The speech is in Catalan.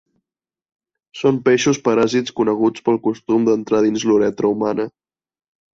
Són peixos paràsits coneguts pel costum d'entrar dins la uretra humana.